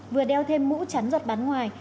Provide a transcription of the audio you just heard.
vừa đeo thêm mũ chắn giọt bắn ngoài